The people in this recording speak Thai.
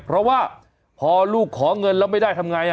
เพราะว่าพอลูกขอเงินแล้วไม่ได้ทำไง